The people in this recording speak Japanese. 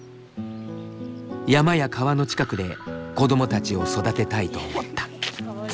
山や川の近くで子どもたちを育てたいと思った。